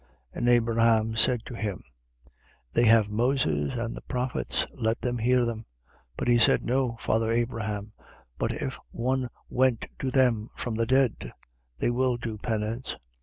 16:29. And Abraham said to him: They have Moses and the prophets. Let them hear them. 16:30. But he said: No, father Abraham: but if one went to them from the dead, they will do penance.